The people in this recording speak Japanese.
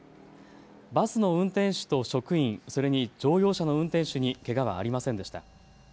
バスの運転手と職員、それに乗用車の運転手にけがはありませんでした。